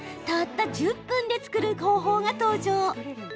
たった１０分で作る方法が登場。